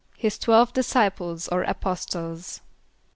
=His twelve disciples or apostles.